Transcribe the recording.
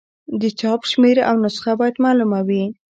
د چاپ شمېر او نسخه باید معلومه وي.